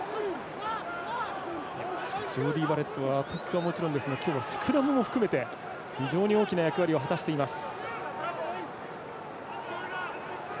ジョーディー・バレットはアタックはもちろんですが今日はスクラムも含めて非常に大きな役割を果たしています。